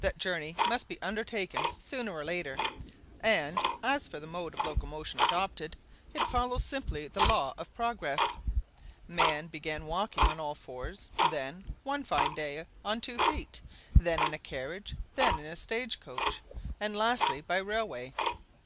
That journey must be undertaken sooner or later; and, as for the mode of locomotion adopted, it follows simply the law of progress. Man began by walking on all fours; then, one fine day, on two feet; then in a carriage; then in a stage coach; and lastly by railway.